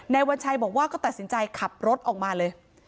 วัญชัยบอกว่าก็ตัดสินใจขับรถออกมาเลย